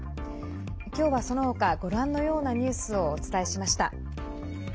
今日は、その他ご覧のようなニュースをお伝えしました。